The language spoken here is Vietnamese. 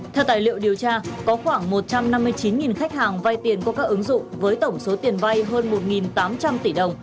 theo tài liệu điều tra có khoảng một trăm năm mươi chín khách hàng vay tiền qua các ứng dụng với tổng số tiền vay hơn một tám trăm linh tỷ đồng